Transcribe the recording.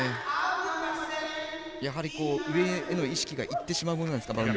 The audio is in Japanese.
やはり、上への意識がいってしまうものですか。